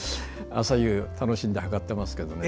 朝夕楽しんで量ってますけどね。